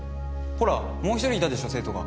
ほらもう一人いたでしょ生徒が。